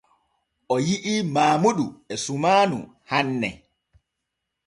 Oo yi’a Maamudu e sumaanu hanne.